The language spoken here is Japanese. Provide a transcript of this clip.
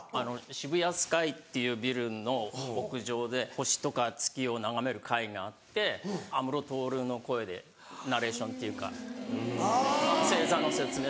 ＳＨＩＢＵＹＡＳＫＹっていうビルの屋上で星とか月を眺める階があって安室透の声でナレーションっていうか星座の説明とか。